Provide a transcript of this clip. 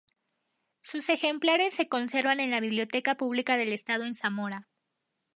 Sus ejemplares se conservan en la Biblioteca Pública del Estado en Zamora.